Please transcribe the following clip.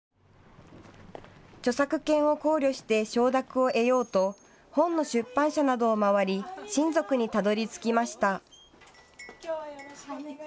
著作権を考慮して承諾を得ようと本の出版社などを回り親族にたどりつきました。